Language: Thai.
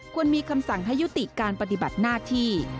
ควรมีคำสั่งให้ยุติการปฏิบัติหน้าที่